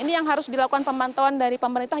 ini yang harus dilakukan pemantauan dari pemerintah